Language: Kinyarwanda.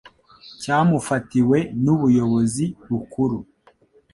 cyamufatiwe n Ubuyobozi Bukuru